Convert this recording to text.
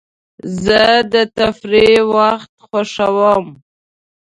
زه د تفریح وخت خوښوم.